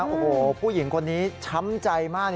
โอ้โหผู้หญิงคนนี้ช้ำใจมาก